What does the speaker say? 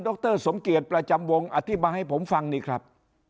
รสมเกียจประจำวงอธิบายให้ผมฟังนี่ครับ